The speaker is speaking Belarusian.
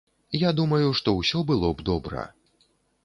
Я думаю, што ўсё было б добра.